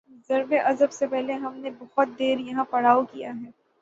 ضرب عضب سے پہلے ہم نے بہت دیر یہاں پڑاؤ کیا ہے۔